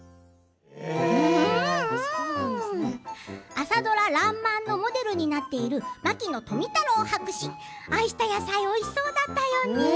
朝ドラ「らんまん」のモデルになっている牧野富太郎博士が愛した野菜おいしそうだったよね。